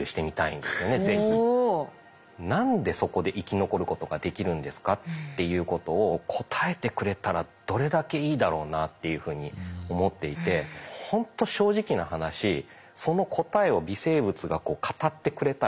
「何でそこで生き残ることができるんですか？」っていうことを答えてくれたらどれだけいいだろうなっていうふうに思っていてほんと正直な話え